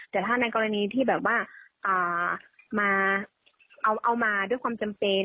แต่ถ้าในกรณีที่แบบว่ามาเอามาด้วยความจำเป็น